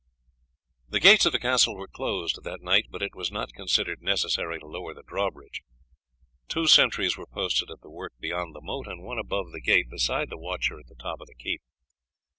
The gates of the castle were closed that night, but it was not considered necessary to lower the drawbridge. Two sentries were posted at the work beyond the moat, and one above the gate, besides the watcher at the top of the keep.